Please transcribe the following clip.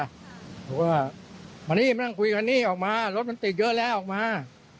บอกว่ามานี่มานั่งคุยกันนี่ออกมารถมันติดเยอะแล้วออกมา